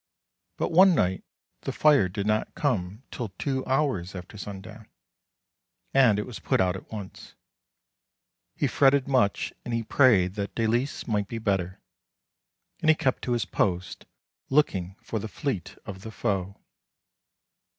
But one night the fire did not come till two hours after sundown, and it was put out at once. He fretted much, and he prayed that Dalice might be better, and he kept to his post, looking for the fleet of the foe.